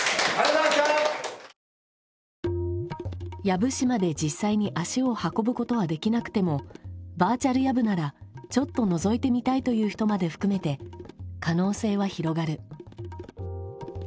養父市まで実際に足を運ぶことはできなくてもバーチャルやぶならちょっとのぞいてみたいという人まで含めて可能性は広がる。